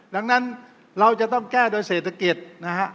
ดังนั้นเราจะต้องแก้โดยเศรษฐกิจนะฮะ